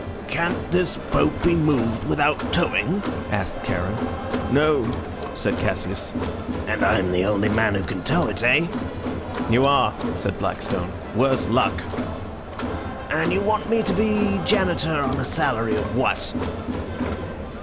"Can't this boat be moved without towing?" asked Charon. "No," said Cassius. "And I'm the only man who can tow it, eh?" "You are," said Blackstone. "Worse luck." "And you want me to be Janitor on a salary of what?"